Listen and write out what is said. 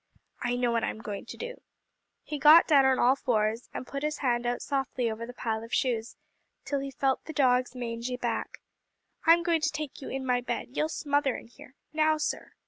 "I know what I'm going to do." He got down on all fours, and put his hand out softly over the pile of shoes, till he felt the dog's mangy back. "I'm going to take you in my bed; you'll smother in here. Now, sir!"